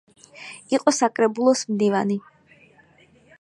იყო საკრებულოს მდივანი.